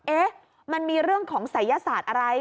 เอ๊ะมันมีเรื่องของศัยยศาสตร์อะไร